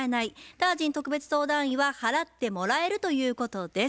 タージン特別相談員は「払ってもらえる」ということです。